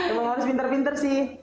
emang harus pinter pinter sih